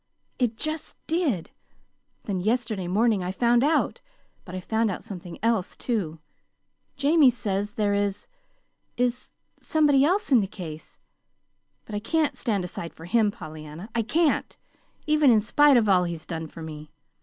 It just did! Then yesterday morning I found out. But I found out something else, too. Jamie says there is is somebody else in the case. But I can't stand aside for him, Pollyanna. I can't even in spite of all he's done for me.